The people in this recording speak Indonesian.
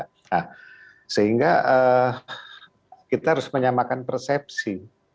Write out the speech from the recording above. nah sehingga kita harus menyamakan persepsi